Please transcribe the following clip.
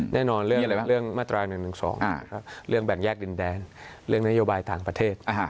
แน่นอนเรื่องมาตราย๑๑๒เรื่องแบ่งแยกดินแดนเรื่องนโยบายต่างประเทศ